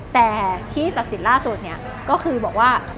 แต่ที่ตัดสินล่าสุดเนี่ยก็คือบอกว่า